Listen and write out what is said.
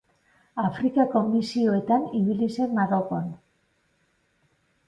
Afrikako misioetan ibili zen Marokon.